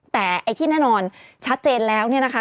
แต่ไอ้ที่แน่นอนชัดเจนแล้วเนี่ยนะคะ